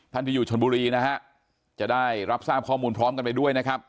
ที่อยู่ชนบุรีนะฮะจะได้รับทราบข้อมูลพร้อมกันไปด้วยนะครับ